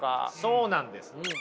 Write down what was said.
そうなんですよ。